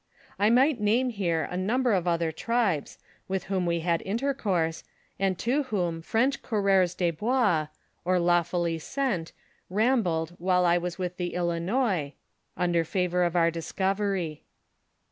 I might name here a number of other tribes, with whom we had intercourse, and to whom French coureurs de bois, or lawfully sent, rambled while I was with the Ilinois, under favor of our discovery.